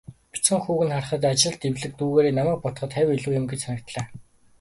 Бяцхан хүүг нь харахад, ажилд эвлэг дүйгээрээ намайг бодоход хавь илүү юм гэж санагдлаа.